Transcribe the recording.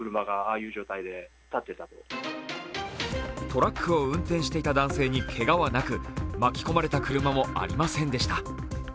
トラックを運転していた男性にけがはなく巻き込まれた車もありませんでした。